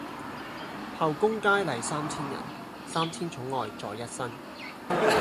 后宮佳麗三千人，三千寵愛在一身。